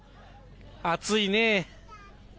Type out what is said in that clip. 暑いね。